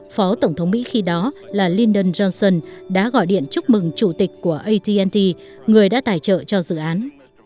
phó tổng thống mỹ khi đó là lind johnson đã gọi điện chúc mừng chủ tịch của at người đã tài trợ cho dự án